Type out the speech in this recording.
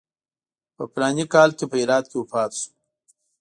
په فلاني کال کې په هرات کې وفات شو.